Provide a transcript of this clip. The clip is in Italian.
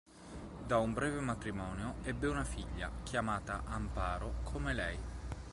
Da un breve matrimonio ebbe una figlia, chiamata Amparo come lei.